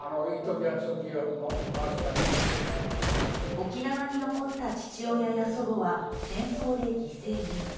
沖縄に残った父親や祖母は戦争で犠牲に。